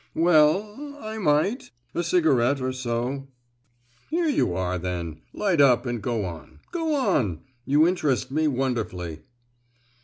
"Well—I might, a cigarette or so." "Here you are, then! Light up and go on,—go on! you interest me wonderfully."